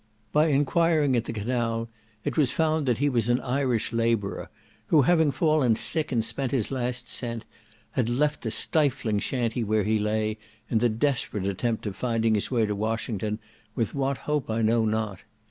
By enquiring at the canal, it was found that he was an Irish labourer, who having fallen sick, and spent his last cent, had left the stifling shanty where he lay, in the desperate attempt of finding his way to Washington, with what hope I know not.